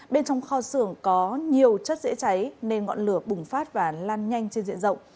bên trong kho xưởng có nhiều chất dễ cháy nên ngọn lửa bùng phát và lan nhanh trên diện rộng